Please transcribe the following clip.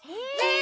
え